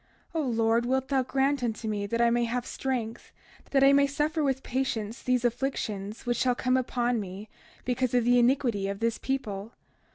O Lord, wilt thou grant unto me that I may have strength, that I may suffer with patience these afflictions which shall come upon me, because of the iniquity of this people.